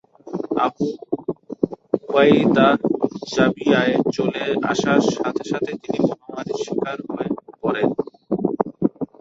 Abu Ubaidah জাবিয়ায় চলে আসার সাথে সাথেই তিনি মহামারীর শিকার হয়ে পড়েন।